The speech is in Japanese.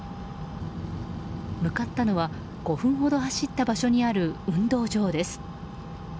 向かったのは、５分ほど走った場所にある運動場です。